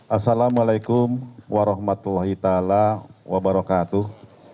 assalamualaikum warahmatullahi wabarakatuh